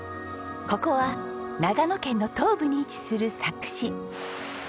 ここは長野県の東部に位置する佐久市。